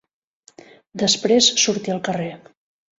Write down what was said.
Després sortí al carrer